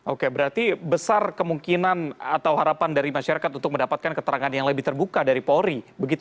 oke berarti besar kemungkinan atau harapan dari masyarakat untuk mendapatkan keterangan yang lebih terbuka dari polri